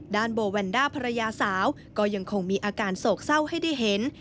โบแวนด้าภรรยาสาวก็ยังคงมีอาการโศกเศร้าให้ได้เห็น